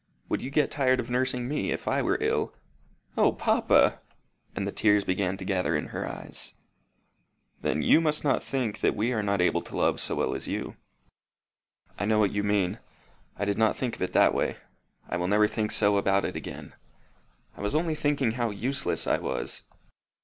Would you get tired of nursing me, if I were ill?" "O, papa!" And the tears began to gather in her eyes. "Then you must think we are not able to love so well as you." "I know what you mean. I did not think of it that way. I will never think so about it again. I was only thinking how useless I was."